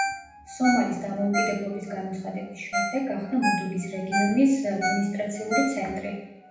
სომალის დამოუკიდებლობის გამოცხადების შემდეგ გახდა მუდუგის რეგიონის ადმინისტრაციული ცენტრი.